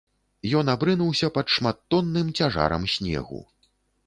Ён абрынуўся пад шматтонным цяжарам снегу.